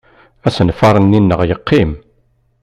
Asenfaṛ-nni-nneɣ yeqqim.